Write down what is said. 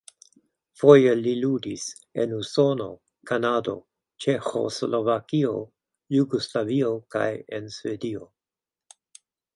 Foje li ludis en Usono, Kanado, Ĉeĥoslovakio, Jugoslavio kaj en Svedio.